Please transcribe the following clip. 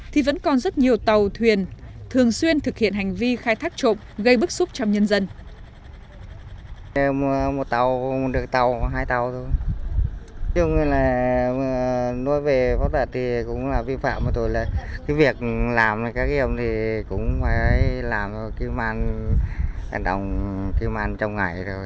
thì vẫn còn rất nhiều tàu thuyền thường xuyên thực hiện hành vi khai thác trộm gây bức xúc trong nhân dân